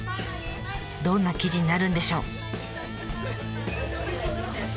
どんな記事になるんでしょう？